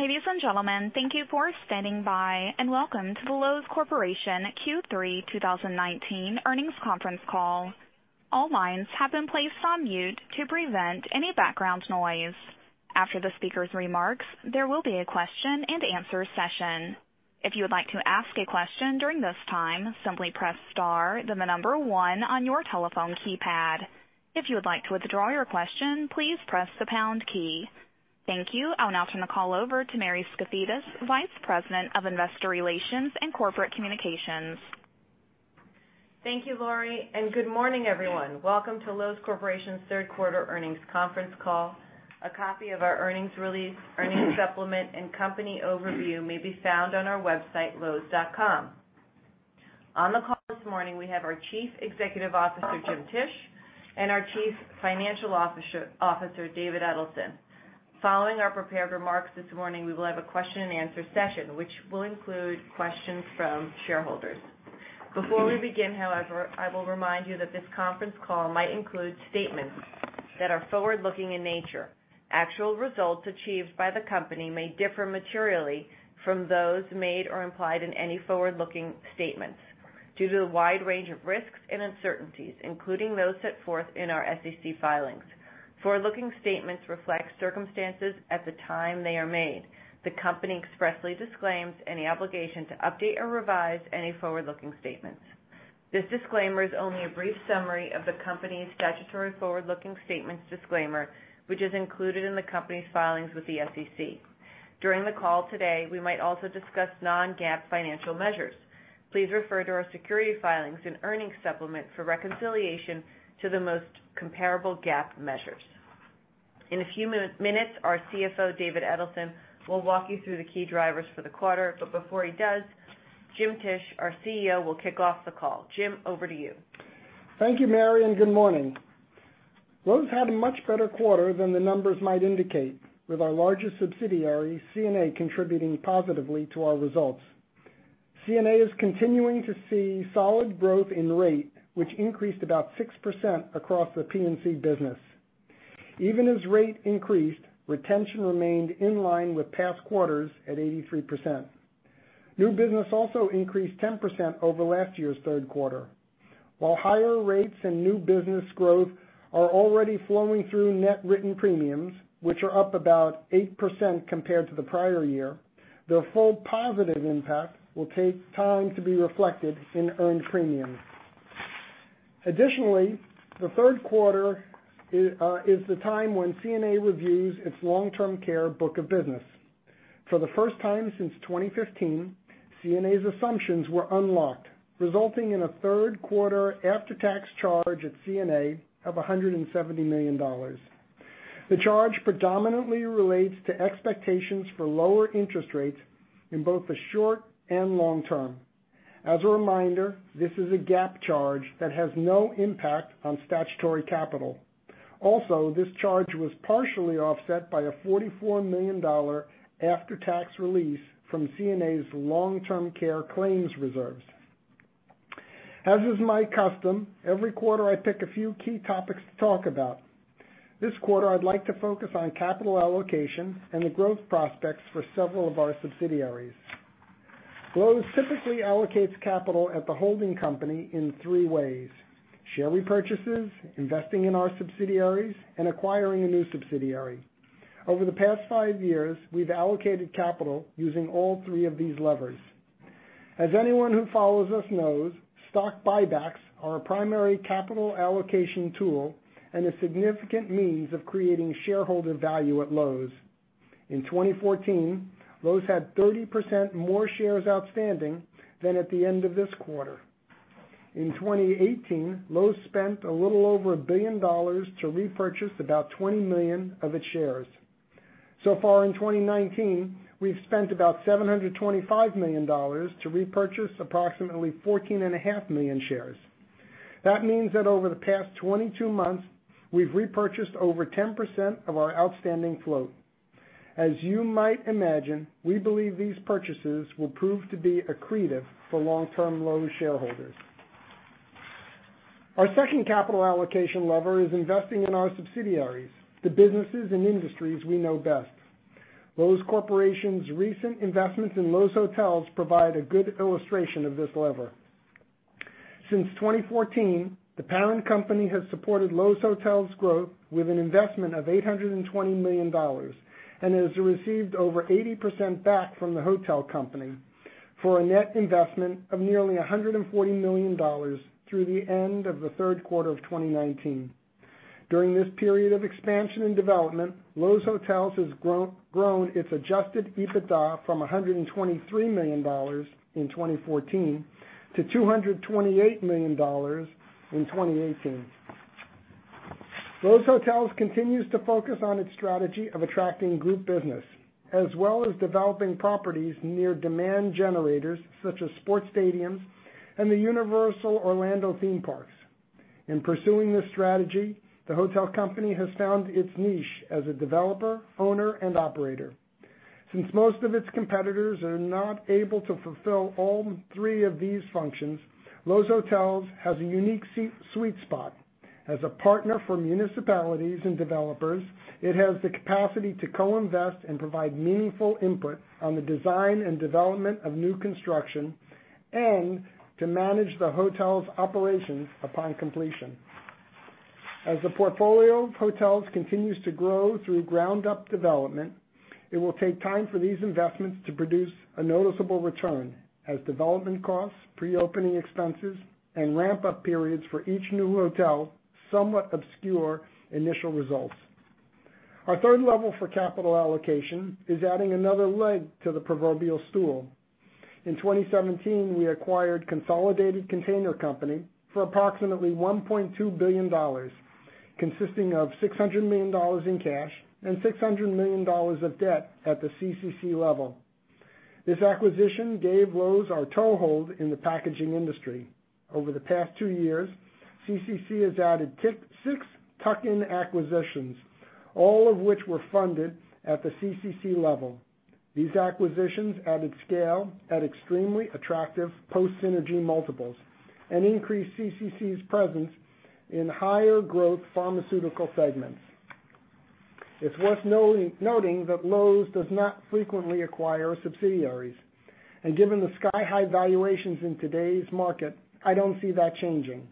Ladies and gentlemen, thank you for standing by, and welcome to the Loews Corporation Q3 2019 earnings conference call. All lines have been placed on mute to prevent any background noise. After the speaker's remarks, there will be a question and answer session. If you would like to ask a question during this time, simply press star then the number one on your telephone keypad. If you would like to withdraw your question, please press the pound key. Thank you. I'll now turn the call over to Mary Skafidas, Vice President of Investor Relations and Corporate Communications. Thank you, Laurie, and good morning, everyone. Welcome to Loews Corporation's third quarter earnings conference call. A copy of our earnings release, earnings supplement, and company overview may be found on our website, loews.com. On the call this morning, we have our Chief Executive Officer, Jim Tisch, and our Chief Financial Officer, David Edelson. Following our prepared remarks this morning, we will have a question and answer session, which will include questions from shareholders. Before we begin, however, I will remind you that this conference call might include statements that are forward-looking in nature. Actual results achieved by the company may differ materially from those made or implied in any forward-looking statements due to the wide range of risks and uncertainties, including those set forth in our SEC filings. Forward-looking statements reflect circumstances at the time they are made. The company expressly disclaims any obligation to update or revise any forward-looking statements. This disclaimer is only a brief summary of the company's statutory forward-looking statements disclaimer, which is included in the company's filings with the SEC. During the call today, we might also discuss non-GAAP financial measures. Please refer to our security filings and earnings supplement for reconciliation to the most comparable GAAP measures. In a few minutes, our CFO, David Edelson, will walk you through the key drivers for the quarter. Before he does, Jim Tisch, our CEO, will kick off the call. Jim, over to you. Thank you, Mary. Good morning. Loews had a much better quarter than the numbers might indicate, with our largest subsidiary, CNA, contributing positively to our results. CNA is continuing to see solid growth in rate, which increased about 6% across the P&C business. Even as rate increased, retention remained in line with past quarters at 83%. New business also increased 10% over last year's third quarter. While higher rates and new business growth are already flowing through net written premiums, which are up about 8% compared to the prior year, the full positive impact will take time to be reflected in earned premiums. Additionally, the third quarter is the time when CNA reviews its long-term care book of business. For the first time since 2015, CNA's assumptions were unlocked, resulting in a third-quarter after-tax charge at CNA of $170 million. The charge predominantly relates to expectations for lower interest rates in both the short and long term. As a reminder, this is a GAAP charge that has no impact on statutory capital. This charge was partially offset by a $44 million after-tax release from CNA's long-term care claims reserves. As is my custom, every quarter I pick a few key topics to talk about. This quarter, I'd like to focus on capital allocation and the growth prospects for several of our subsidiaries. Loews typically allocates capital at the holding company in three ways: share repurchases, investing in our subsidiaries, and acquiring a new subsidiary. Over the past five years, we've allocated capital using all three of these levers. As anyone who follows us knows, stock buybacks are a primary capital allocation tool and a significant means of creating shareholder value at Loews. In 2014, Loews had 30% more shares outstanding than at the end of this quarter. In 2018, Loews spent a little over $1 billion to repurchase about 20 million of its shares. Far in 2019, we've spent about $725 million to repurchase approximately 14.5 million shares. That means that over the past 22 months, we've repurchased over 10% of our outstanding float. As you might imagine, we believe these purchases will prove to be accretive for long-term Loews shareholders. Our second capital allocation lever is investing in our subsidiaries, the businesses and industries we know best. Loews Corporation's recent investments in Loews Hotels provide a good illustration of this lever. Since 2014, the parent company has supported Loews Hotels' growth with an investment of $820 million and has received over 80% back from the hotel company for a net investment of nearly $140 million through the end of the third quarter of 2019. During this period of expansion and development, Loews Hotels has grown its adjusted EBITDA from $123 million in 2014 to $228 million in 2018. Loews Hotels continues to focus on its strategy of attracting group business, as well as developing properties near demand generators such as sports stadiums and the Universal Orlando Resort. Since most of its competitors are not able to fulfill all three of these functions, Loews Hotels has a unique sweet spot. As a partner for municipalities and developers, it has the capacity to co-invest and provide meaningful input on the design and development of new construction, and to manage the hotel's operations upon completion. As the portfolio of hotels continues to grow through ground up development, it will take time for these investments to produce a noticeable return, as development costs, pre-opening expenses, and ramp-up periods for each new hotel somewhat obscure initial results. Our third level for capital allocation is adding another leg to the proverbial stool. In 2017, we acquired Consolidated Container Company for approximately $1.2 billion, consisting of $600 million in cash and $600 million of debt at the CCC level. This acquisition gave Loews our toehold in the packaging industry. Over the past two years, CCC has added six tuck-in acquisitions, all of which were funded at the CCC level. These acquisitions added scale at extremely attractive post-synergy multiples, and increased CCC's presence in higher growth pharmaceutical segments. It's worth noting that Loews does not frequently acquire subsidiaries. Given the sky-high valuations in today's market, I don't see that changing.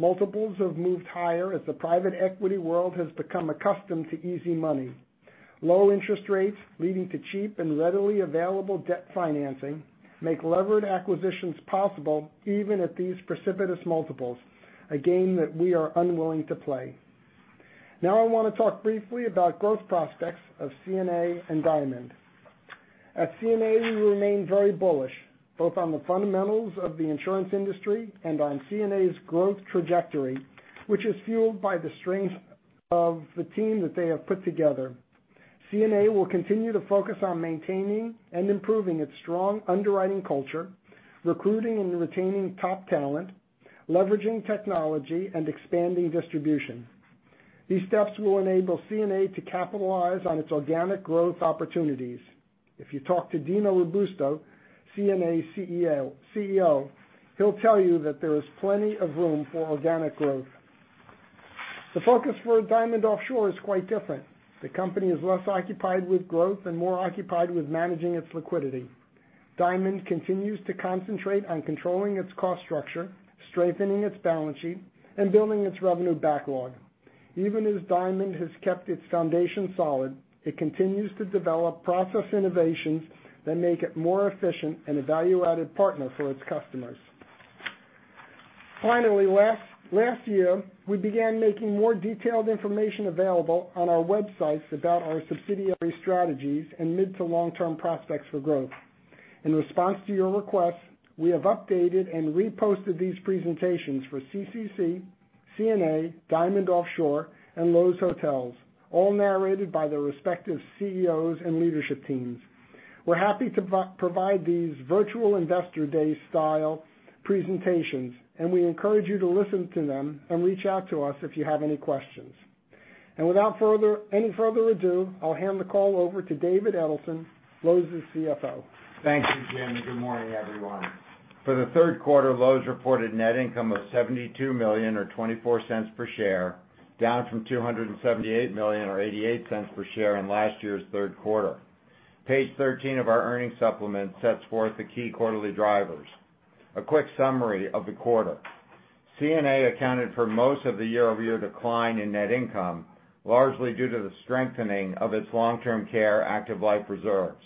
Multiples have moved higher as the private equity world has become accustomed to easy money. Low interest rates leading to cheap and readily available debt financing make levered acquisitions possible even at these precipitous multiples, a game that we are unwilling to play. I want to talk briefly about growth prospects of CNA and Diamond. At CNA, we remain very bullish, both on the fundamentals of the insurance industry and on CNA's growth trajectory, which is fueled by the strength of the team that they have put together. CNA will continue to focus on maintaining and improving its strong underwriting culture, recruiting and retaining top talent, leveraging technology, and expanding distribution. These steps will enable CNA to capitalize on its organic growth opportunities. If you talk to Dino Robusto, CNA's CEO, he'll tell you that there is plenty of room for organic growth. The focus for Diamond Offshore is quite different. The company is less occupied with growth and more occupied with managing its liquidity. Diamond continues to concentrate on controlling its cost structure, strengthening its balance sheet, and building its revenue backlog. Even as Diamond has kept its foundation solid, it continues to develop process innovations that make it more efficient and a value-added partner for its customers. Finally, last year, we began making more detailed information available on our websites about our subsidiary strategies and mid to long-term prospects for growth. In response to your requests, we have updated and reposted these presentations for CCC, CNA, Diamond Offshore, and Loews Hotels, all narrated by their respective CEOs and leadership teams. We're happy to provide these virtual investor day style presentations, and we encourage you to listen to them and reach out to us if you have any questions. Without any further ado, I'll hand the call over to David Edelson, Loews' CFO. Thank you, Jim, and good morning, everyone. For the third quarter, Loews reported net income of $72 million, or $0.24 per share, down from $278 million or $0.88 per share in last year's third quarter. Page 13 of our earnings supplement sets forth the key quarterly drivers. A quick summary of the quarter. CNA accounted for most of the year-over-year decline in net income, largely due to the strengthening of its long-term care active life reserves.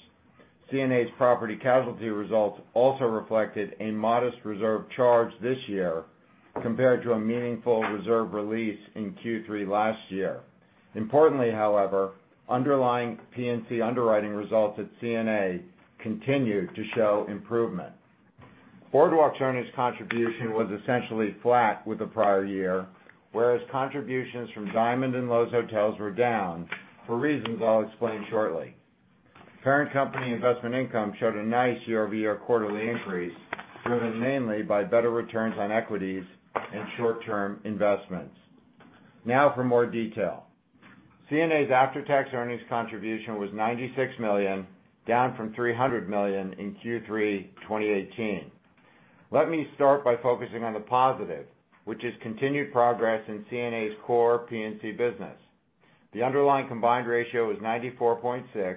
CNA's property casualty results also reflected a modest reserve charge this year compared to a meaningful reserve release in Q3 last year. Importantly, however, underlying P&C underwriting results at CNA continued to show improvement. Boardwalk earnings contribution was essentially flat with the prior year, whereas contributions from Diamond and Loews Hotels were down for reasons I'll explain shortly. Parent company investment income showed a nice year-over-year quarterly increase driven mainly by better returns on equities and short-term investments. Now for more detail. CNA's after-tax earnings contribution was $96 million, down from $300 million in Q3 2018. Let me start by focusing on the positive, which is continued progress in CNA's core P&C business. The underlying combined ratio was 94.6%,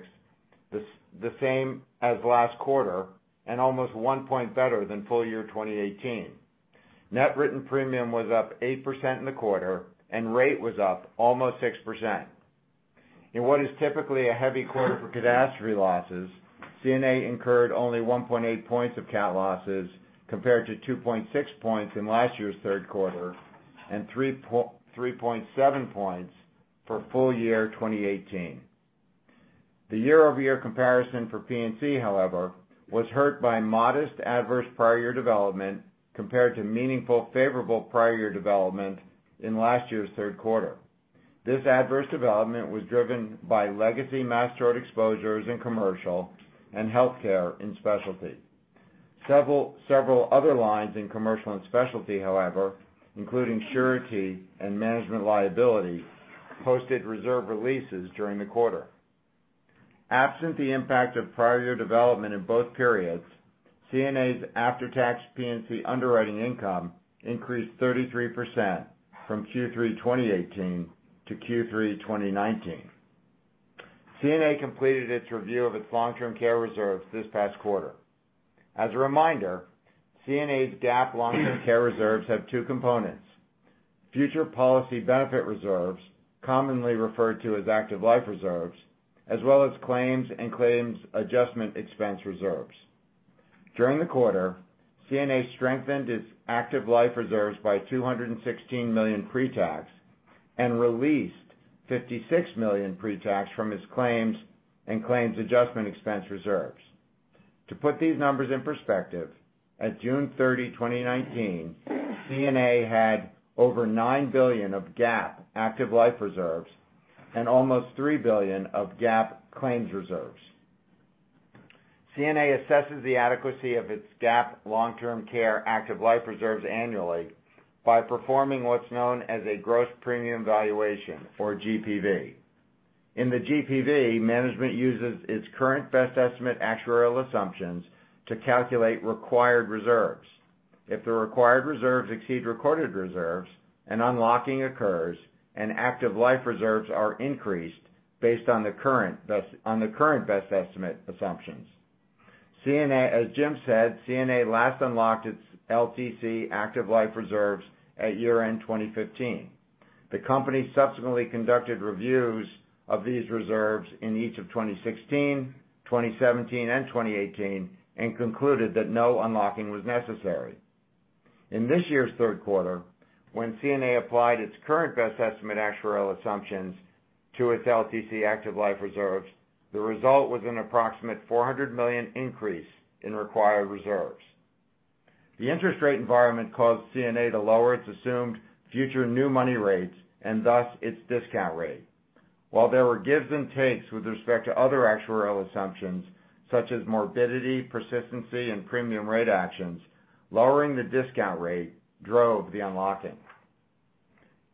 the same as last quarter, and almost 1 point better than full year 2018. Net written premium was up 8% in the quarter, and rate was up almost 6%. In what is typically a heavy quarter for catastrophe losses, CNA incurred only 1.8 points of cat losses compared to 2.6 points in last year's third quarter, and 3.7 points for full year 2018. The year-over-year comparison for P&C, however, was hurt by modest adverse prior year development compared to meaningful favorable prior year development in last year's third quarter. This adverse development was driven by legacy mass tort exposures in commercial and healthcare in specialty. Several other lines in commercial and specialty, however, including surety and management liability, posted reserve releases during the quarter. Absent the impact of prior year development in both periods, CNA's after-tax P&C underwriting income increased 33% from Q3 2018 to Q3 2019. CNA completed its review of its long-term care reserves this past quarter. As a reminder, CNA's GAAP long-term care reserves have two components. Future policy benefit reserves, commonly referred to as active life reserves, as well as claims and claims adjustment expense reserves. During the quarter, CNA strengthened its active life reserves by $216 million pre-tax, and released $56 million pre-tax from its claims and claims adjustment expense reserves. To put these numbers in perspective, at June 30, 2019, CNA had over $9 billion of GAAP active life reserves and almost $3 billion of GAAP claims reserves. CNA assesses the adequacy of its GAAP long-term care active life reserves annually by performing what's known as a gross premium valuation, or GPV. In the GPV, management uses its current best estimate actuarial assumptions to calculate required reserves. If the required reserves exceed recorded reserves, an unlocking occurs, and active life reserves are increased based on the current best estimate assumptions. As Jim said, CNA last unlocked its LTC active life reserves at year-end 2015. The company subsequently conducted reviews of these reserves in each of 2016, 2017, and 2018, and concluded that no unlocking was necessary. In this year's third quarter, when CNA applied its current best estimate actuarial assumptions to its LTC active life reserves, the result was an approximate $400 million increase in required reserves. The interest rate environment caused CNA to lower its assumed future new money rates and thus its discount rate. While there were gives and takes with respect to other actuarial assumptions such as morbidity, persistency, and premium rate actions, lowering the discount rate drove the unlocking.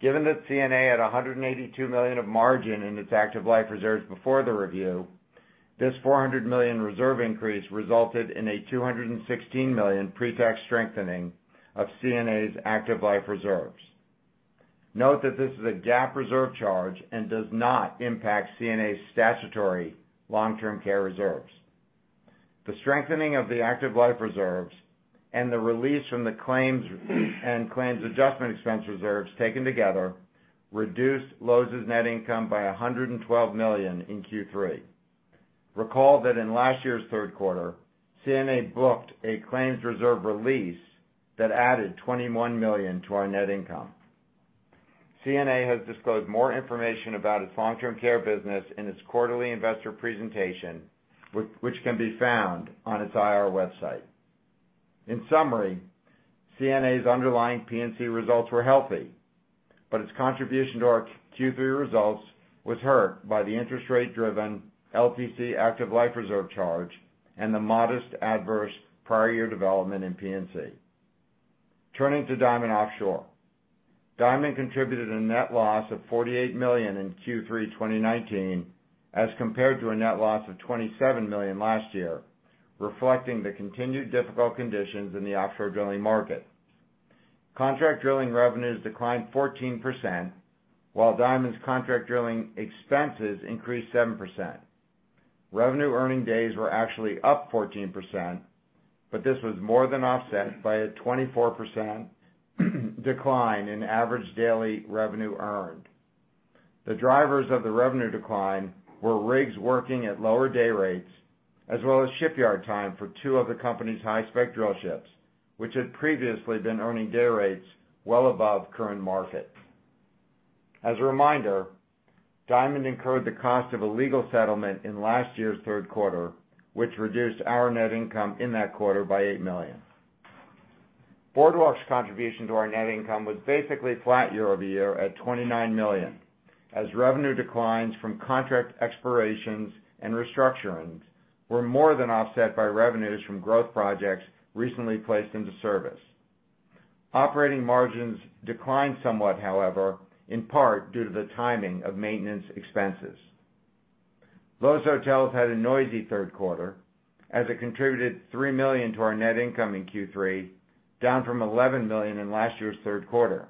Given that CNA had $182 million of margin in its active life reserves before the review, this $400 million reserve increase resulted in a $216 million pre-tax strengthening of CNA's active life reserves. Note that this is a GAAP reserve charge and does not impact CNA's statutory long-term care reserves. The strengthening of the active life reserves and the release from the claims and claims adjustment expense reserves taken together reduced Loews' net income by $112 million in Q3. Recall that in last year's third quarter, CNA booked a claims reserve release that added $21 million to our net income. CNA has disclosed more information about its long-term care business in its quarterly investor presentation, which can be found on its IR website. In summary, CNA's underlying P&C results were healthy, but its contribution to our Q3 results was hurt by the interest rate-driven LTC active life reserve charge and the modest adverse prior year development in P&C. Turning to Diamond Offshore. Diamond contributed a net loss of $48 million in Q3 2019, as compared to a net loss of $27 million last year, reflecting the continued difficult conditions in the offshore drilling market. Contract drilling revenues declined 14%, while Diamond's contract drilling expenses increased 7%. Revenue earning days were actually up 14%, but this was more than offset by a 24% decline in average daily revenue earned. The drivers of the revenue decline were rigs working at lower day rates, as well as shipyard time for two of the company's high-spec drill ships, which had previously been earning day rates well above current market. As a reminder, Diamond incurred the cost of a legal settlement in last year's third quarter, which reduced our net income in that quarter by $8 million. Boardwalk's contribution to our net income was basically flat year-over-year at $29 million, as revenue declines from contract expirations and restructurings were more than offset by revenues from growth projects recently placed into service. Operating margins declined somewhat, however, in part due to the timing of maintenance expenses. Loews Hotels had a noisy third quarter, as it contributed $3 million to our net income in Q3, down from $11 million in last year's third quarter.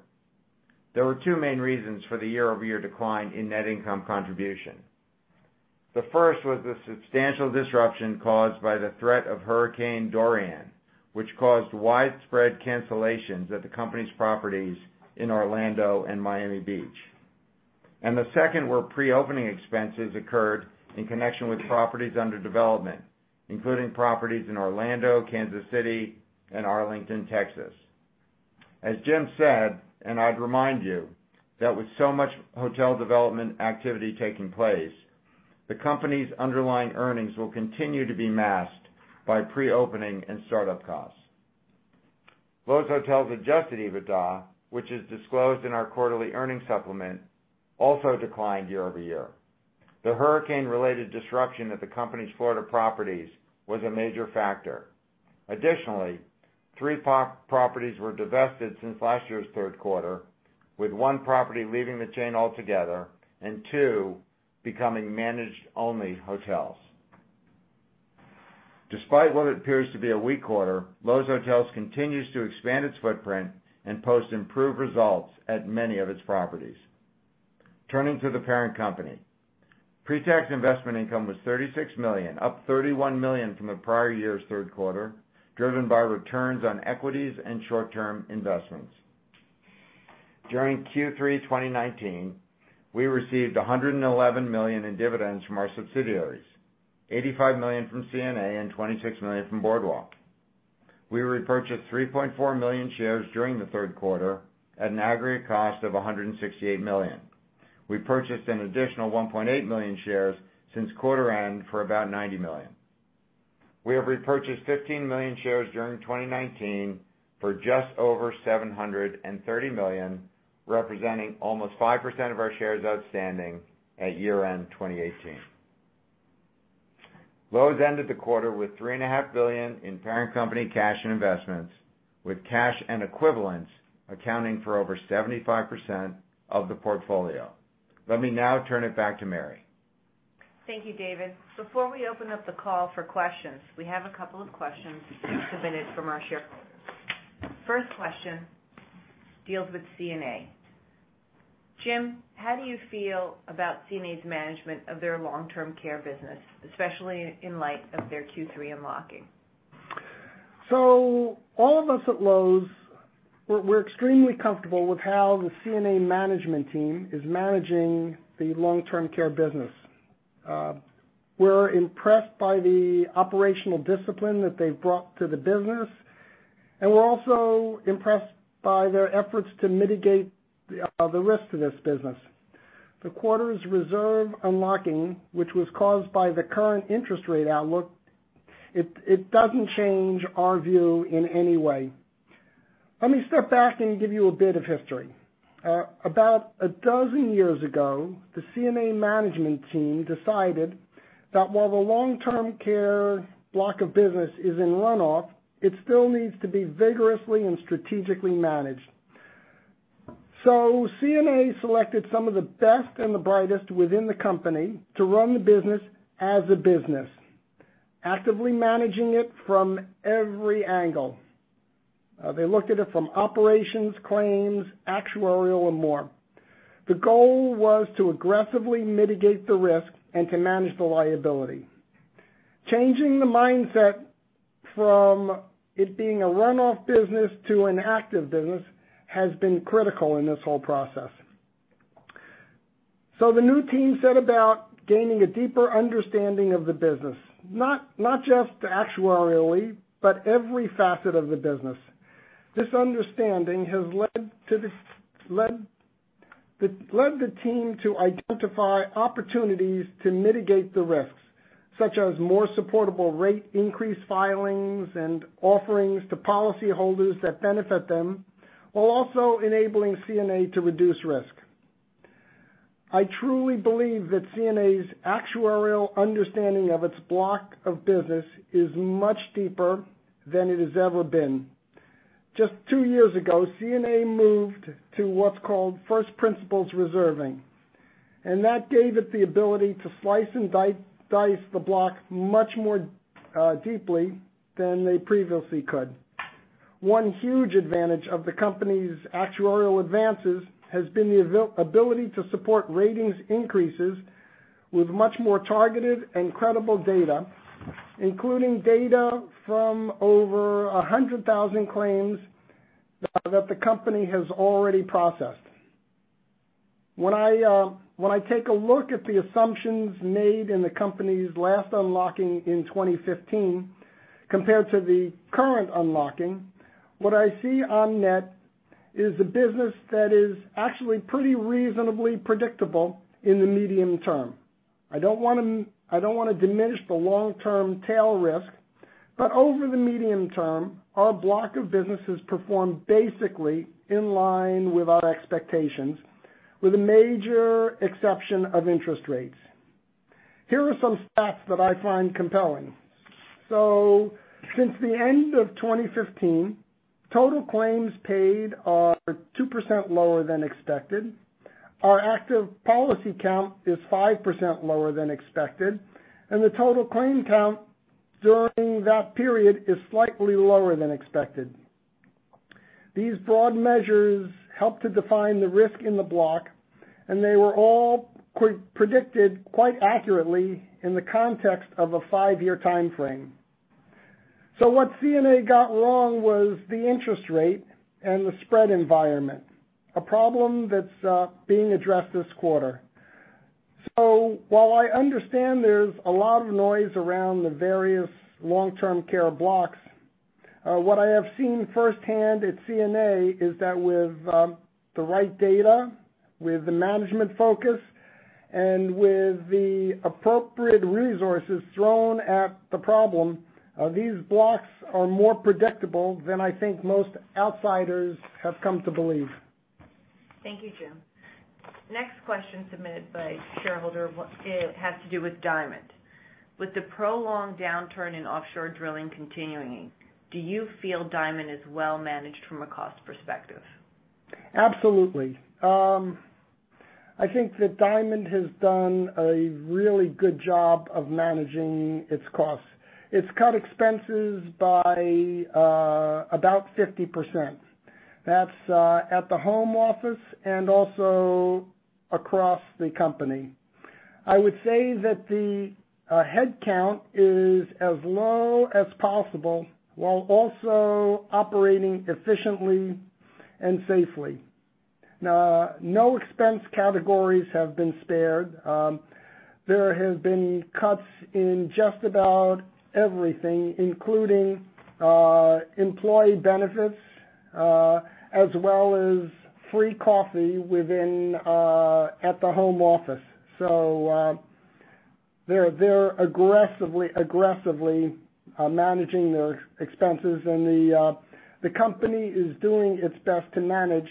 There were two main reasons for the year-over-year decline in net income contribution. The first was the substantial disruption caused by the threat of Hurricane Dorian, which caused widespread cancellations at the company's properties in Orlando and Miami Beach. The second were pre-opening expenses incurred in connection with properties under development, including properties in Orlando, Kansas City, and Arlington, Texas. As Jim said, and I'd remind you, that with so much hotel development activity taking place, the company's underlying earnings will continue to be masked by pre-opening and start-up costs. Loews Hotels' adjusted EBITDA, which is disclosed in our quarterly earnings supplement, also declined year-over-year. The hurricane-related disruption at the company's Florida properties was a major factor. Additionally, three properties were divested since last year's third quarter, with one property leaving the chain altogether and two becoming managed-only hotels. Despite what appears to be a weak quarter, Loews Hotels continues to expand its footprint and post improved results at many of its properties. Turning to the parent company. Pre-tax investment income was $36 million, up $31 million from the prior year's third quarter, driven by returns on equities and short-term investments. During Q3 2019, we received $111 million in dividends from our subsidiaries, $85 million from CNA and $26 million from Boardwalk. We repurchased 3.4 million shares during the third quarter at an aggregate cost of $168 million. We purchased an additional 1.8 million shares since quarter end for about $90 million. We have repurchased 15 million shares during 2019 for just over $730 million, representing almost 5% of our shares outstanding at year-end 2018. Loews ended the quarter with $3.5 billion in parent company cash and investments, with cash and equivalents accounting for over 75% of the portfolio. Let me now turn it back to Mary. Thank you, David. Before we open up the call for questions, we have a couple of questions submitted from our shareholders. First question deals with CNA. Jim, how do you feel about CNA's management of their long-term care business, especially in light of their Q3 unlocking? All of us at Loews, we're extremely comfortable with how the CNA management team is managing the long-term care business. We're impressed by the operational discipline that they've brought to the business, and we're also impressed by their efforts to mitigate the risk to this business. The quarter's reserve unlocking, which was caused by the current interest rate outlook, it doesn't change our view in any way. Let me step back and give you a bit of history. About 12 years ago, the CNA management team decided that while the long-term care block of business is in runoff, it still needs to be vigorously and strategically managed. CNA selected some of the best and the brightest within the company to run the business as a business, actively managing it from every angle. They looked at it from operations, claims, actuarial, and more. The goal was to aggressively mitigate the risk and to manage the liability. Changing the mindset from it being a runoff business to an active business has been critical in this whole process. The new team set about gaining a deeper understanding of the business, not just actuarially, but every facet of the business. This understanding has led the team to identify opportunities to mitigate the risks, such as more supportable rate increase filings and offerings to policyholders that benefit them, while also enabling CNA to reduce risk. I truly believe that CNA's actuarial understanding of its block of business is much deeper than it has ever been. Just two years ago, CNA moved to what's called first principles reserving, and that gave it the ability to slice and dice the block much more deeply than they previously could. One huge advantage of the company's actuarial advances has been the ability to support ratings increases with much more targeted and credible data, including data from over 100,000 claims that the company has already processed. When I take a look at the assumptions made in the company's last unlocking in 2015 compared to the current unlocking, what I see on net is a business that is actually pretty reasonably predictable in the medium term. I don't want to diminish the long-term tail risk, but over the medium term, our block of business has performed basically in line with our expectations, with a major exception of interest rates. Here are some stats that I find compelling. Since the end of 2015, total claims paid are 2% lower than expected. Our active policy count is 5% lower than expected, and the total claim count during that period is slightly lower than expected. These broad measures help to define the risk in the block, and they were all predicted quite accurately in the context of a five-year timeframe. What CNA got wrong was the interest rate and the spread environment, a problem that's being addressed this quarter. While I understand there's a lot of noise around the various long-term care blocks, what I have seen firsthand at CNA is that with the right data with the management focus and with the appropriate resources thrown at the problem, these blocks are more predictable than I think most outsiders have come to believe. Thank you, Jim. Next question submitted by a shareholder has to do with Diamond. With the prolonged downturn in offshore drilling continuing, do you feel Diamond is well managed from a cost perspective? Absolutely. I think that Diamond has done a really good job of managing its costs. It's cut expenses by about 50%. That's at the home office and also across the company. I would say that the headcount is as low as possible while also operating efficiently and safely. No expense categories have been spared. There have been cuts in just about everything, including employee benefits, as well as free coffee at the home office. They're aggressively managing their expenses, and the company is doing its best to manage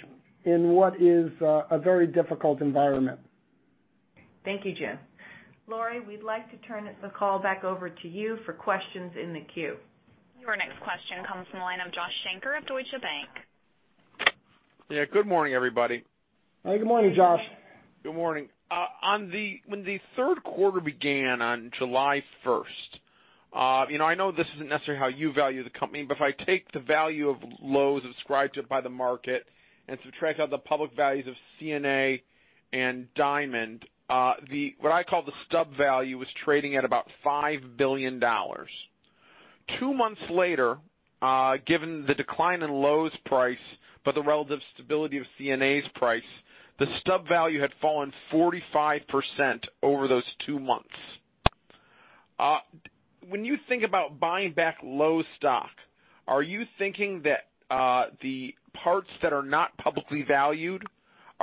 in what is a very difficult environment. Thank you, Jim. Laurie, we'd like to turn the call back over to you for questions in the queue. Your next question comes from the line of Joshua Shanker of Deutsche Bank. Yeah. Good morning, everybody. Good morning, Josh. Good morning. When the third quarter began on July 1st, I know this isn't necessarily how you value the company, but if I take the value of Loews ascribed to it by the market and subtract out the public values of CNA and Diamond, what I call the stub value was trading at about $5 billion. Two months later, given the decline in Loews' price but the relative stability of CNA's price, the stub value had fallen 45% over those two months. When you think about buying back Loews stock, are you thinking that the parts that are not publicly valued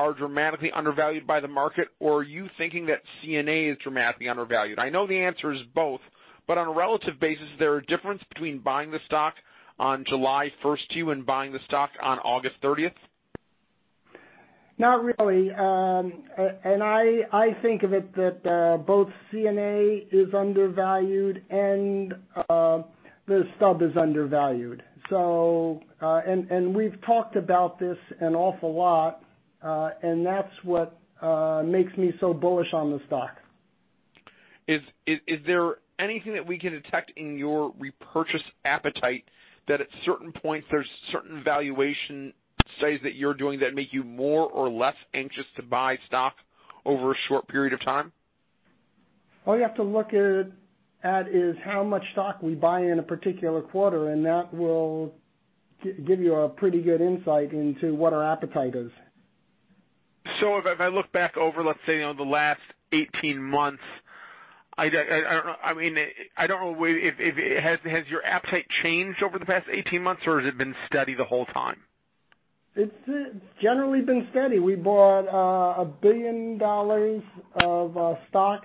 are dramatically undervalued by the market, or are you thinking that CNA is dramatically undervalued? I know the answer is both, but on a relative basis, is there a difference between buying the stock on July 1st to you and buying the stock on August 30th? Not really. I think of it that both CNA is undervalued and the stub is undervalued. We've talked about this an awful lot, and that's what makes me so bullish on the stock. Is there anything that we can detect in your repurchase appetite that at certain points, there's certain valuation studies that you're doing that make you more or less anxious to buy stock over a short period of time? All you have to look at is how much stock we buy in a particular quarter, and that will give you a pretty good insight into what our appetite is. If I look back over, let's say, the last 18 months, I don't know, has your appetite changed over the past 18 months, or has it been steady the whole time? It's generally been steady. We bought $1 billion of stock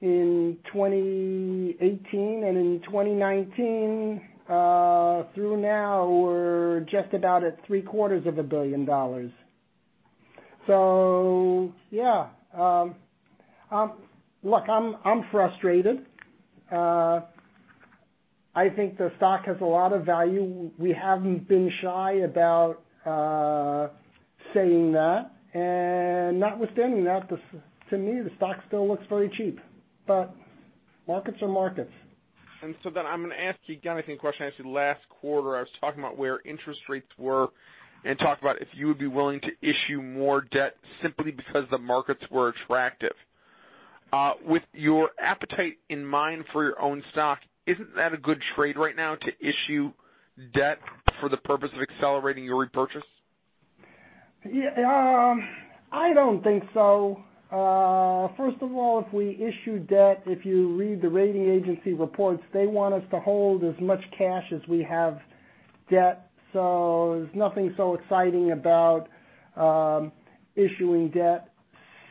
in 2018, and in 2019 through now, we're just about at three-quarters of a billion dollars. Yeah. Look, I'm frustrated. I think the stock has a lot of value. We haven't been shy about saying that. Notwithstanding that, to me, the stock still looks very cheap. Markets are markets. I'm going to ask you, again, I think a question I asked you last quarter. I was talking about where interest rates were and talked about if you would be willing to issue more debt simply because the markets were attractive. With your appetite in mind for your own stock, isn't that a good trade right now to issue debt for the purpose of accelerating your repurchase? Yeah. I don't think so. First of all, if we issue debt, if you read the rating agency reports, they want us to hold as much cash as we have debt. There's nothing so exciting about issuing debt.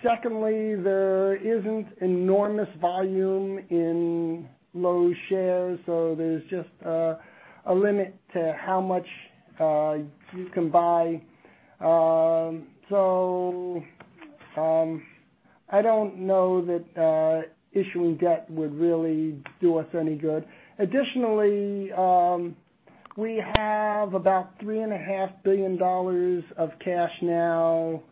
Secondly, there isn't enormous volume in Loews shares, so there's just a limit to how much you can buy. I don't know that issuing debt would really do us any good. Additionally, we have about $3.5 billion of cash now.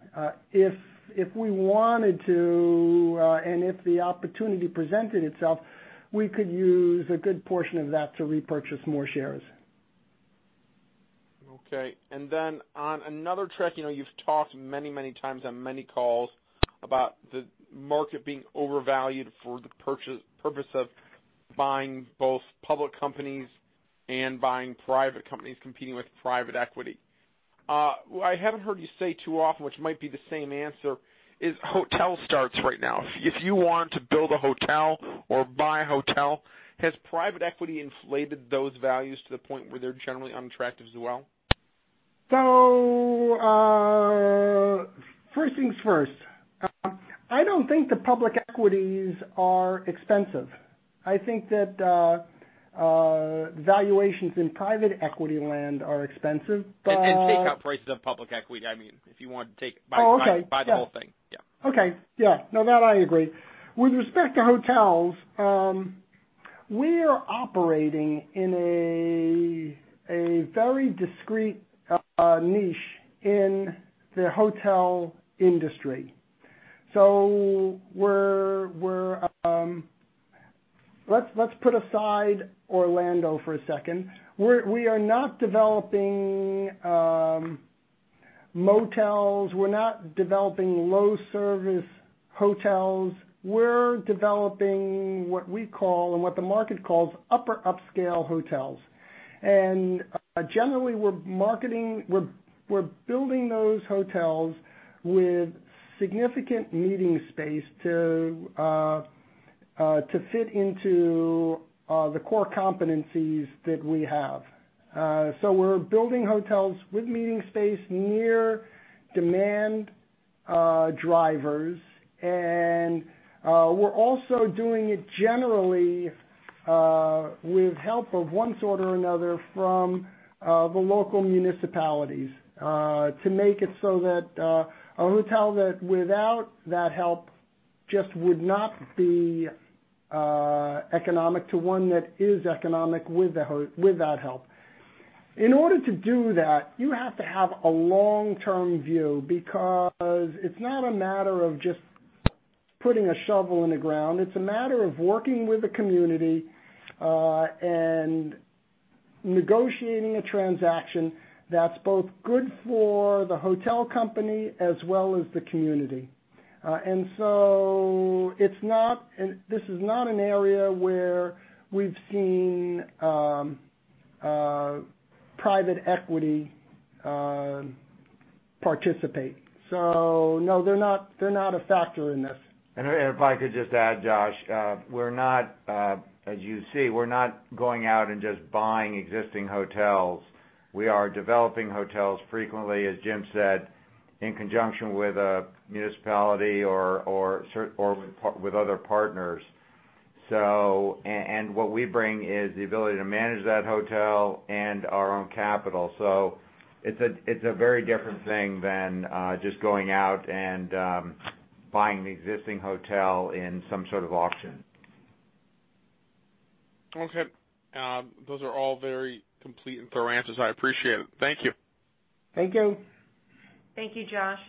If we wanted to, and if the opportunity presented itself, we could use a good portion of that to repurchase more shares. Okay. On another track, you've talked many times on many calls about the market being overvalued for the purpose of buying both public companies and buying private companies competing with private equity. What I haven't heard you say too often, which might be the same answer, is hotel starts right now. If you want to build a hotel or buy a hotel, has private equity inflated those values to the point where they're generally unattractive as well? First things first, I don't think the public equities are expensive. I think that valuations in private equity land are expensive. Take out prices of public equity, if you want to. Oh, okay. buy the whole thing. Yeah. Okay. Yeah. No, that I agree. With respect to hotels, we are operating in a very discreet niche in the hotel industry. Let's put aside Orlando for a second. We are not developing motels, we're not developing low-service hotels. We're developing what we call and what the market calls upper upscale hotels. Generally, we're building those hotels with significant meeting space to fit into the core competencies that we have. We're building hotels with meeting space near demand drivers, and we're also doing it generally with help of one sort or another from the local municipalities, to make it so that a hotel that without that help just would not be economic to one that is economic with that help. In order to do that, you have to have a long-term view because it's not a matter of just putting a shovel in the ground. It's a matter of working with the community, and negotiating a transaction that's both good for the hotel company as well as the community. This is not an area where we've seen private equity participate. No, they're not a factor in this. If I could just add, Josh, as you see, we're not going out and just buying existing hotels. We are developing hotels frequently, as Jim said, in conjunction with a municipality or with other partners. What we bring is the ability to manage that hotel and our own capital. It's a very different thing than just going out and buying an existing hotel in some sort of auction. Okay. Those are all very complete and thorough answers. I appreciate it. Thank you. Thank you. Thank you, Josh,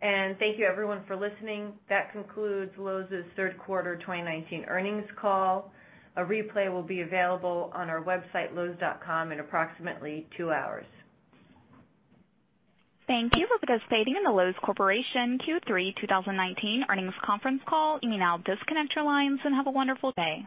and thank you everyone for listening. That concludes Loews's third quarter 2019 earnings call. A replay will be available on our website, loews.com, in approximately two hours. Thank you for participating in the Loews Corporation Q3 2019 earnings conference call. You may now disconnect your lines, and have a wonderful day.